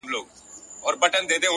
هره ورځ د پرمختګ امکان لري